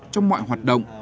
trong mọi hoạt động